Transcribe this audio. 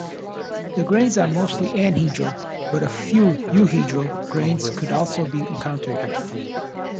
The grains are mostly anhedral, but a few euhedral grains could also be encountered.